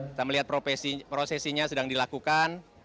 kita melihat prosesinya sedang dilakukan